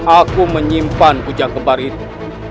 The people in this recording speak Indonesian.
aku menyimpan kujang kembar itu